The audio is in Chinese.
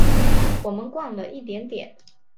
我们逛了一点点